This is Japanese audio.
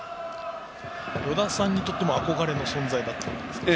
与田さんにとっても憧れの存在だったんでしょうか。